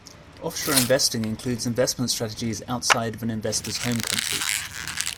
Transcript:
Offshore investing includes investment strategies outside of an investor's home country.